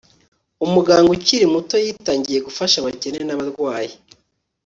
umuganga ukiri muto yitangiye gufasha abakene n'abarwayi